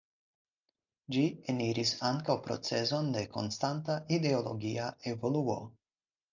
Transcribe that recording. Ĝi eniris ankaŭ procezon de konstanta ideologia evoluo.